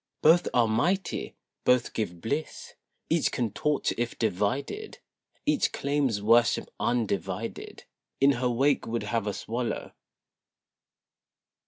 Both are mighty; Both give bliss; Each can torture if divided; Each claims worship undivided, In her wake would have us wallow.